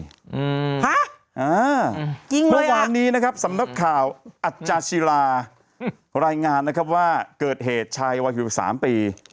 เมื่อวานนี้สำนักข่าวอัจจาชีลารายงานว่าเกิดเหตุชายวัย๖๓ปี